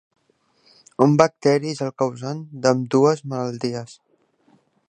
Un bacteri és el causant d'ambdues malalties.